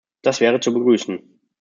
Das wäre zu begrüßen.